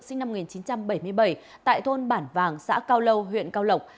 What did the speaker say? sinh năm một nghìn chín trăm bảy mươi bảy tại thôn bản vàng xã cao lâu huyện cao lộc